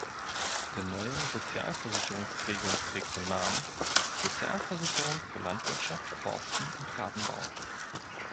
Der neue Sozialversicherungsträger trägt den Namen "Sozialversicherung für Landwirtschaft, Forsten und Gartenbau".